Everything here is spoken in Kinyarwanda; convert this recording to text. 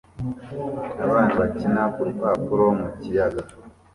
Abana bakina kurupapuro mu kiyaga